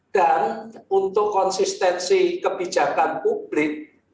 dan untuk konsistensi kebijakan publik